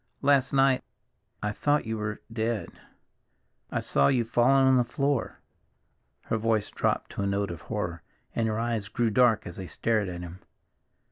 Last night I thought you were—dead. I saw you fallen on the floor." Her voice dropped to a note of horror, and her eyes grew dark as they stared at him.